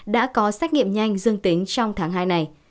đã có xét nghiệm nhanh dương tính trong tháng hai này